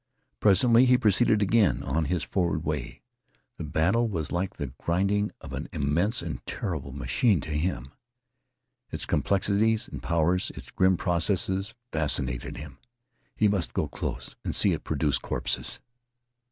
Presently he proceeded again on his forward way. The battle was like the grinding of an immense and terrible machine to him. Its complexities and powers, its grim processes, fascinated him. He must go close and see it produce corpses.